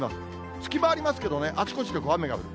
隙間ありますけどね、あちこちで雨が降る。